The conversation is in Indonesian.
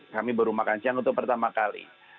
kami baru makan siang untuk pertama kali